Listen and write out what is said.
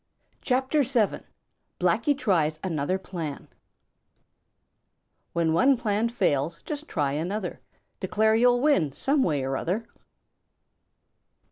CHAPTER VII: Blacky Tries Another Plan When one plan fails, just try another; Declare you'll win some way or other.